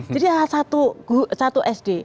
jadi satu sd